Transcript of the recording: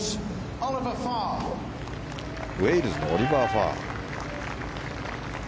ウェールズのオリバー・ファー。